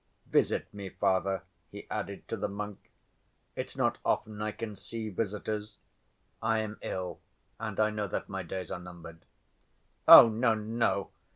Visit me, Father," he added to the monk. "It's not often I can see visitors. I am ill, and I know that my days are numbered." "Oh, no, no!